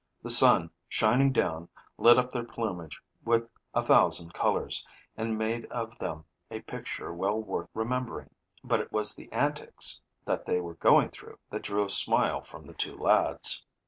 The sun, shining down, lit up their plumage with a thousand colors, and made of them a picture well worth remembering, but it was the antics that they were going through that drew a smile from the two lads.